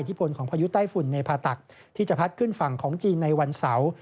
พลของพายุใต้ฝุ่นในผ่าตักที่จะพัดขึ้นฝั่งของจีนในวันเสาร์